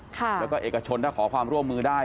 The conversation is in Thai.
แล้วก็เอกชนถ้าขอความร่วมมือได้